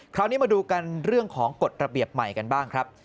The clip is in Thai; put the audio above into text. คราวนี้มาดูกันเรื่องของกฎระเบียบใหม่กันบ้างครับ